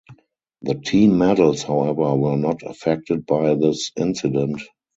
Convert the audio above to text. The team medals, however, were not affected by this incident.